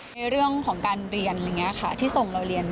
ในเรื่องของการเรียนอะไรอย่างนี้ค่ะที่ส่งเราเรียน